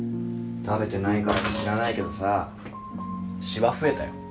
食べてないからか知らないけどさしわ増えたよ。